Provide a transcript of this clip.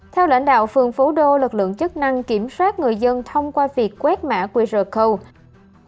theo lãnh đạo phường phú đô lực lượng chức năng kiểm soát người dân thông qua việc quét mã qr code